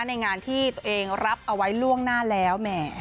ในงานที่ตัวเองรับเอาไว้ล่วงหน้าแล้วแหม